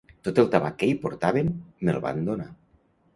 Tot el tabac que hi portaven, me'l van donar